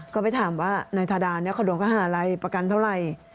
ก็ไปถามว่าในฐาดานี้เขาโดนเขาหาอะไรประกันเท่าไร